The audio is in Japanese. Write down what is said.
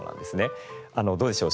どうでしょう